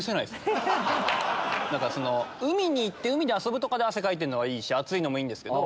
海に行って海で遊ぶとかで汗かいてんのはいいし暑いのもいいんですけど。